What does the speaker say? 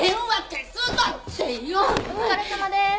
お疲れさまでーす。